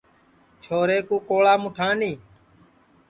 چھورے کُو کولام اُٹھانی